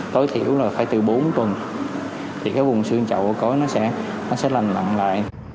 tối thiểu là phải từ bốn tuần thì cái vùng xương chậu và ổ cối nó sẽ lành nặng lại